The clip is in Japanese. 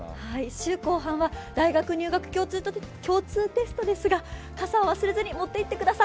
週後半は大学入学共通テストですが、傘を忘れずに持っていってください。